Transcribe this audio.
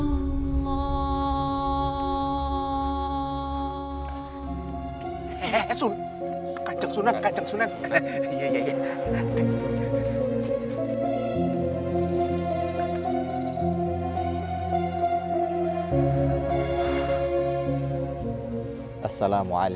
bagaimana jika kita bersalah toni balik